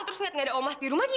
kenapa diam saja